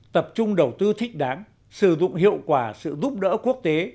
tập trung đầu tư thích đáng sử dụng hiệu quả sự giúp đỡ quốc tế